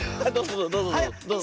どうぞ。